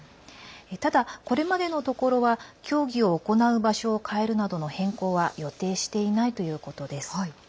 ただ、これまでのところは競技を行う場所を変えるなどの変更は予定していないということです。